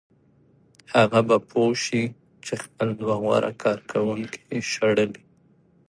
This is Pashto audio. هغه به پوه شي چې خپل دوه غوره کارکوونکي یې شړلي